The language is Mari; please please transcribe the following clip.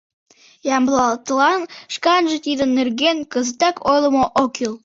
Ямблатлан шканже тидын нерген кызытак ойлымо ок кӱл.